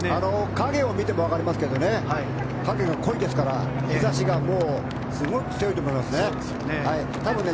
影を見ても分かりますけど影が濃いですから日差しがすごく強いと思いますね。